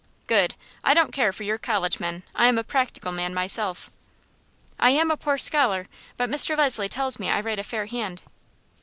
"Good! I don't care for your college men. I am a practical man myself." "I am a poor scholar, but Mr. Leslie tells me I write a fair hand."